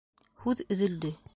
Һүҙ өҙөлдө.